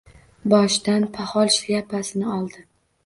Boshidan poxol shlyapasini oldi.